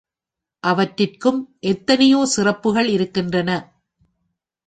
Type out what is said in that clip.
அவற்றிற்கும் எத்தனையோ சிறப்புக்கள் இருக்கின்றன.